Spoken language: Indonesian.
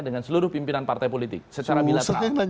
dengan seluruh pimpinan partai politik secara bilateral